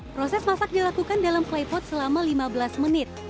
proses masak dilakukan dalam claypot selama lima belas menit